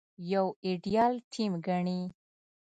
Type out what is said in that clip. يو ايديال ټيم ګڼي.